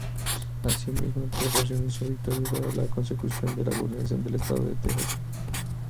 Asimismo proporcionó su victoria para la consecución de la gobernación del Estado de Texas.